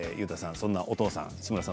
そんな市村さん